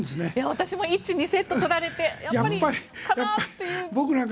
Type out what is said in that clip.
私も１、２セットとられてやっぱりかなって。